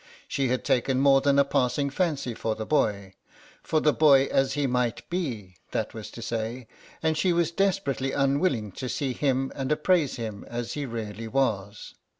She had taken more than a passing fancy for the boy—for the boy as he might be, that was to say—and she was desperately unwilling to see him and appraise him as he really was.